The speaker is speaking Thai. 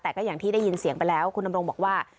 แต่ก็อย่างที่ได้ยินเสียงไปแล้วคุณดำรงบอกว่า